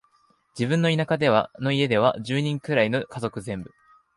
自分の田舎の家では、十人くらいの家族全部、